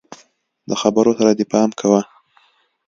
د خبرو سره دي پام کوه!